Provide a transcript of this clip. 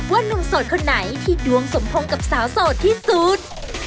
นุ่มโสดคนไหนที่ดวงสมพงษ์กับสาวโสดที่สุด